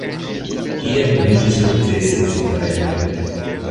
Tiam li ne sukcesis gajni.